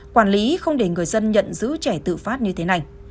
quản lý không để người dân nhận giữ trẻ tự phát như thế này